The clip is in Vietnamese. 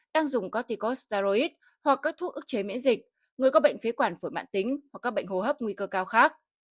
đang dùng corticostaroid hoặc các thuốc ức chế miễn dịch người có bệnh phế quản phổi mạng tính hoặc các bệnh hô hấp nguy cơ cao khác